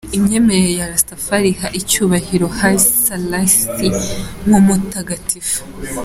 Imyemerere ya Rastafari iha icyubahiro Haile Selassie nk’umutagatifu.